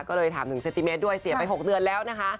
ก็เลยถาม๑เซนติเมตรด้วยเสียไป๖เดือนแล้วนะคะ